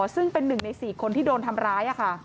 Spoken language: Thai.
ซึ่งเป็น๑ใน๔คนที่โดนทำร้าย